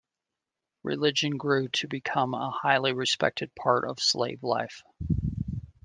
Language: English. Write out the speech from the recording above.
Religion grew to become a highly respected part of slave life.